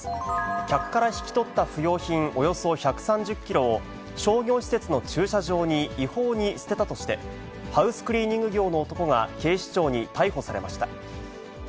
客から引き取った不用品およそ１３０キロを、商業施設の駐車場に違法に捨てたとして、ハウスクリーニング業の男が警視庁に逮捕されました。